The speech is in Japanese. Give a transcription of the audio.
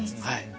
はい。